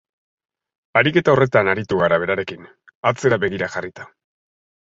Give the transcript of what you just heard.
Ariketa horretan aritu gara berarekin, atzera begira jarrita.